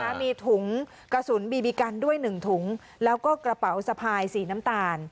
มีถุงกระสุนบีบีกันด้วยหนึ่งถุงแล้วก็กระเป๋าสะพายสีน้ำตาล